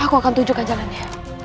aku akan tunjukkan jalannya